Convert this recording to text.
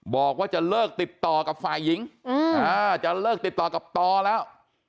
บอกว่าจะเลิกติดต่อกับฝ่ายหญิงจะเลิกติดต่อกับตอแล้ว